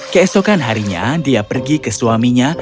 keesokan harinya dia pergi ke suaminya